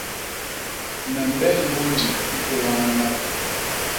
Me mbel mbônji i pôla mandap.